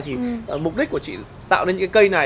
thì mục đích của chị tạo nên những cái cây này